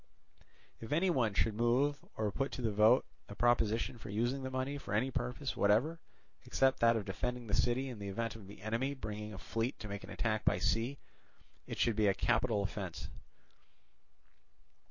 If any one should move or put to the vote a proposition for using the money for any purpose whatever except that of defending the city in the event of the enemy bringing a fleet to make an attack by sea, it should be a capital offence.